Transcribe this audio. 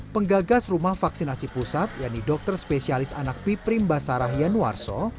penggagas rumah vaksinasi pusat yaitu dokter spesialis anak biprim basarahian warso